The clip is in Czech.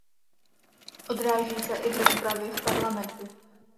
Odráží se i v rozpravě v Parlamentu.